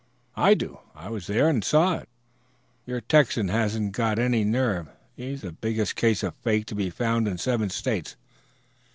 "I do. I was there and saw it. Your Texan hasn't got any nerve. He's the biggest case of fake to be found in seven States.